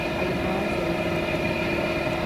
Alimaaziri.